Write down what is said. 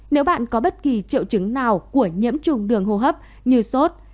nếu bạn có bất kỳ triệu chứng nào của nhiễm trùng đường hô hấp như sốt